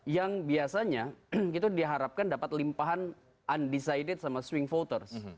yang biasanya itu diharapkan dapat limpahan undecided sama swing voters